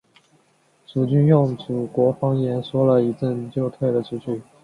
楚军用楚国方言说了一阵就退了出去。